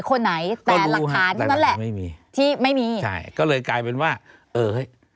คนไหนแต่หลักฐานเท่านั้นแหละไม่มีที่ไม่มีใช่ก็เลยกลายเป็นว่าเออเฮ้ย